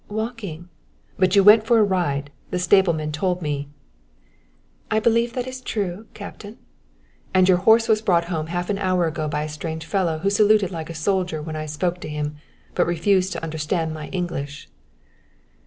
"Walking." "But you went for a ride the stable men told me." "I believe that is true, Captain." "And your horse was brought home half an hour ago by a strange fellow who saluted like a soldier when I spoke to him, but refused to understand my English."